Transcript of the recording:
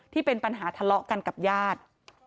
ที่เป็นปัญหาทะเลาะกันกับญาติ